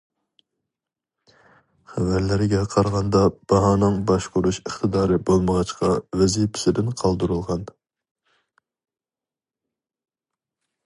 خەۋەرلەرگە قارىغاندا، باھانىڭ باشقۇرۇش ئىقتىدارى بولمىغاچقا، ۋەزىپىسىدىن قالدۇرۇلغان.